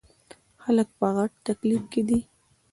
خلک په غټ تکليف کښې دے ـ